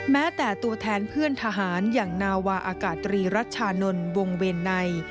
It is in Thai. แม้แต่ตัวแทนเพื่อนทหารอย่างนาวาอากาศตรีรัชชานนท์วงเวรใน